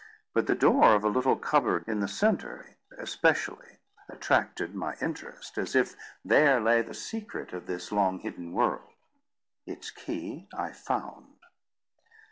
But the door of a little cupboard in the centre especially attracted my interest, as if there lay the secret of this long hidden world. Its key I found.